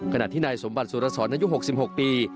ขณะที่นายสมบัติสุรสรอายุ๖๖ปี